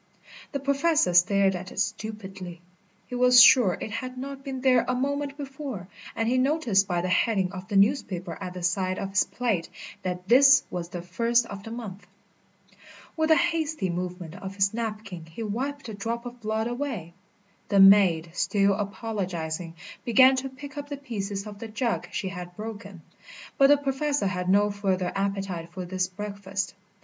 The Professor stared at it stupidly. He was sure it had not been there a moment before, and he noticed by the heading of the newspaper at the side of his plate that this was the first of the month. With a hasty movement of his napkin he wiped the drop of blood away. The maid, still apologising, began to pick up the pieces of the jug she had broken; but the Professor had no further appetite for his breakfast.